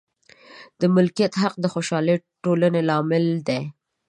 د مالکیت حق د خوشحالې ټولنې لامل دی.